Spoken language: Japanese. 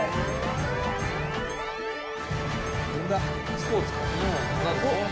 スポーツか？